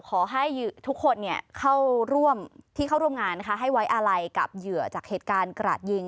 ขอให้ทุกคนเข้าร่วมที่เข้าร่วมงานนะคะให้ไว้อาลัยกับเหยื่อจากเหตุการณ์กราดยิง